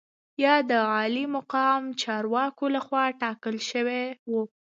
یا د عالي مقام چارواکو لخوا ټاکل شوي وو.